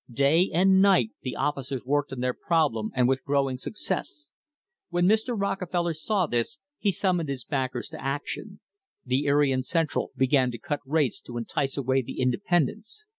Day and night the officers worked on their problem, and with growing success. When Mr. Rockefeller saw this he summoned his backers to action. The Erie and Central began to cut rates to entice away the independents.